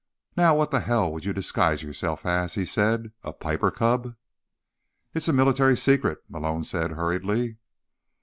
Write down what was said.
"Now what the hell would you disguise yourself as?" he said. "A Piper Cub?" "It's a military secret," Malone said hurriedly.